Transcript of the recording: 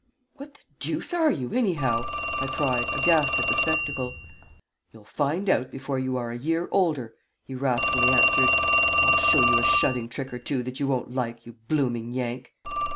"What the deuce are you, anyhow?" I cried, aghast at the spectacle. "You'll find out before you are a year older!" he wrathfully answered. "I'll show you a shoving trick or two that you won't like, you blooming Yank!"